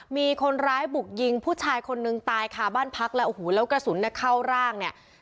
มีคนร้ายบุกยิงผู้ชายคนนึงตายค่ะบ้านพักแล้วเกระสุนเข้าร่าง